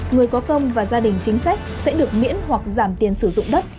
người có công và gia đình chính sách sẽ được miễn hoặc giảm tiền sử dụng đất